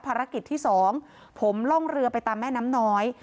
ภารกิจที่สองผมล่องเรือไปตามแม่น้ำน้อย